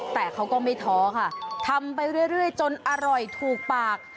แต่เขาก็ไม่ท้อค่ะทำไปเรื่อยจนอร่อยถูกปาก